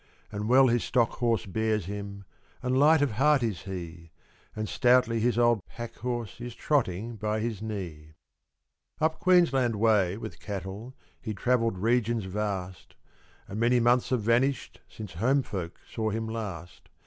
And well his stock horse bears him, And light of heart is he, And stoutly his old pack horse Is trotting by his knee. Up Queensland way with cattle He travelled regions vast; And many months have vanished Since home folk saw him last.